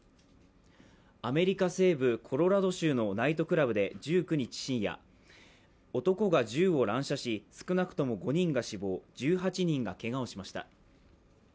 アメリカ西部コロラド州のナイトクラブで１９日深夜男が銃を乱射し、少なくとも５人が死亡、１８人がけがをしました。